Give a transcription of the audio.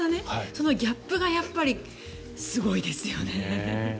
そのギャップがやっぱりすごいですよね。